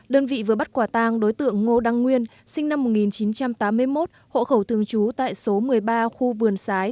đơn vị vừa bắt quả tang đối tượng ngô đăng nguyên sinh năm một nghìn chín trăm tám mươi một hộ khẩu thường trú tại số một mươi ba khu vườn sái